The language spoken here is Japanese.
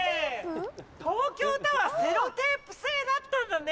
東京タワーセロテープ製だったんだね